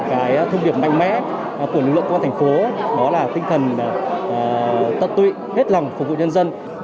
cái thông điệp mạnh mẽ của lực lượng của thành phố đó là tinh thần tân tụy hết lòng phục vụ nhân dân